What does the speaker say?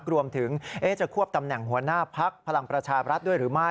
รวมถึงจะควบตำแหน่งหัวหน้าพักพลังประชาบรัฐด้วยหรือไม่